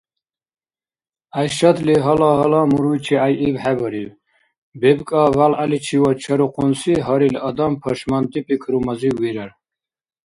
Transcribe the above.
ГӀяйшатли гьала-гьала муруйчи гӀяйиб хӀебариб: бебкӀа-бялгӀяличивад чарухъунси гьарил адам пашманти пикрумазив вирар.